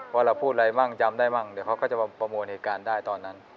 ว่าเราพูดอะไรมั่งจำได้มั่งเดี๋ยวเขาก็จะประมวลเหตุการณ์ได้ตอนนั้น